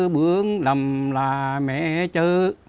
bướng lầm là mẹ chớ